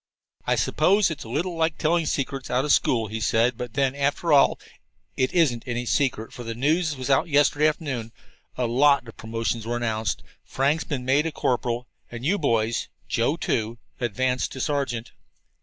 "I suppose it's a little like telling secrets out of school," he said, "but then, after all, it isn't any secret, for the news was out yesterday afternoon. A lot of promotions were announced. Frank's been made a corporal, and you boys Joe, too advanced to sergeant."